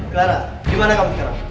clara gimana kamu sekarang